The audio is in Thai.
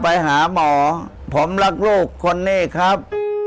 ไปหาหมอผมรักลูกคนนี้ครับ